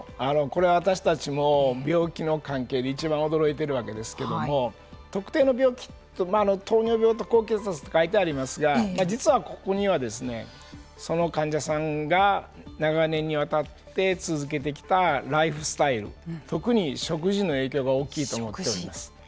これは私たちも病気の関係でいちばん驚いているわけですけども特定の病気糖尿病と高血圧と書いてありますが実は、ここにはその患者さんが長年にわたって続けてきたライフスタイル特に食事の影響が大きいと思っております。